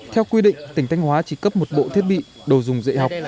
theo quy định tỉnh thanh hóa chỉ cấp một bộ thiết bị đồ dùng dạy học